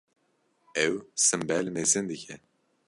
Ew simbêl mezin dike.